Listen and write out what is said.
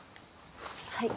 はい。